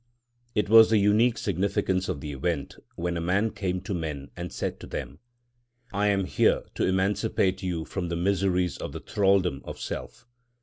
It was the unique significance of the event, when a man came to men and said to them, "I am here to emancipate you from the miseries of the thraldom of self."